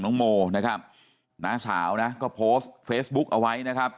โมนะครับน้าสาวนะก็โพสต์เฟซบุ๊กเอาไว้นะครับ